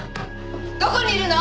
どこにいるの？